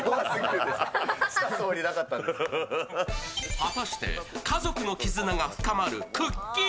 果たして家族の絆が深まるくっきー！